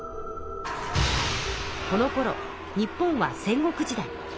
このころ日本は戦国時代。